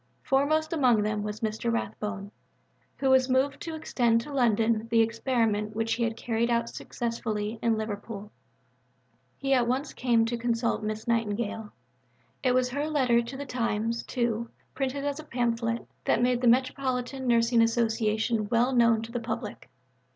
Foremost among them was Mr. Rathbone, who was moved to extend to London the experiment which he had carried out successfully in Liverpool. He at once came to consult Miss Nightingale. It was her letter to the Times, too, reprinted as a pamphlet, that made the "Metropolitan Nursing Association" well known to the public.